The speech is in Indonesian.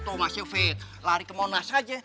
tuh mas yofi lari ke monas aja